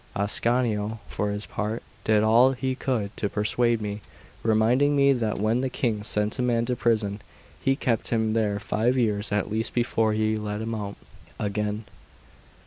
Ascanio, for his part, did all he could to persuade me, reminding me that when the King sent a man to prison, he kept him there five years at least before he let him out again.